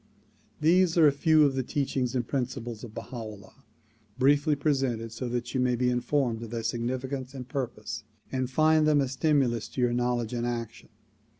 These are a few of the teachings and principles of Baha 'Ullah briefly presented so that you may be informed of their significance and purpose and find them a stimulus to your knowledge and action.